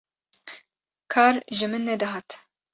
kar ji min nedihat